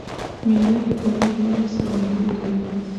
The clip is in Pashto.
مېلې د کورنۍ غړي سره نږدې کوي.